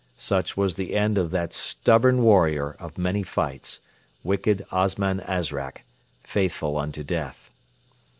Such was the end of that stubborn warrior of many fights wicked Osman Azrak, faithful unto death.